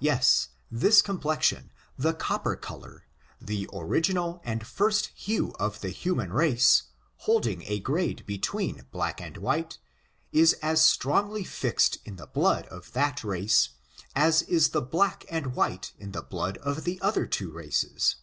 Yes; this complexion, the copper color, the original and first hue of the human race, holding a grade between black and white, is as strongly fixed in the blood of that race as is the blcuJc and white in the blood of the other two races.